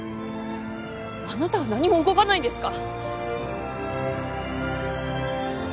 あなたは何も動かないんですか？